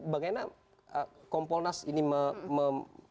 bagaimana komponas ini menurut anda